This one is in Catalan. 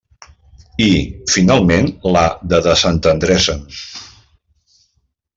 I, finalment, la de desentendre-se'n.